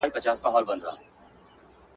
دا یو نوی انلاین رجحان دی.